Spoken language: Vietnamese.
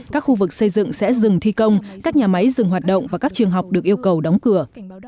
các khu vực xây dựng sẽ dừng thi công các nhà máy dừng hoạt động và các trường học được yêu cầu đóng cửa